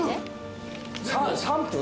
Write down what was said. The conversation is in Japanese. ３分？